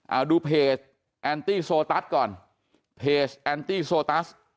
เอาดูเพจแอนตี้โซตัสก่อนเพจแอนตี้โซตัส